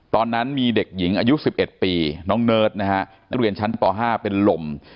ตอนนั้นมีเด็กหญิงอายุ๑๑ปีน้องเนิร์ดนะฮะนักเรียนชั้นป๕เป็นลม